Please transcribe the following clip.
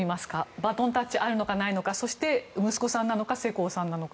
バトンタッチがあるのかないのかそして、息子さんなのか世耕さんなのか。